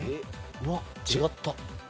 うわっ違った。